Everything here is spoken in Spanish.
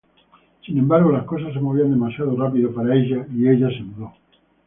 Sin embargo, las cosas se movían demasiado rápido para ella, y ella se mudó.